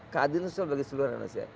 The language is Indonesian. keadilan sosial bagi seluruh indonesia